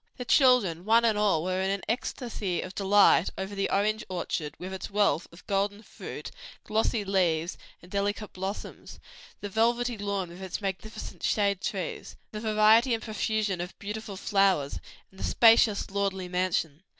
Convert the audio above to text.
The children, one and all, were in an ecstasy of delight over the orange orchard with its wealth of golden fruit, glossy leaves, and delicate blossoms, the velvety lawn with its magnificent shade trees, the variety and profusion of beautiful flowers, and the spacious lordly mansion.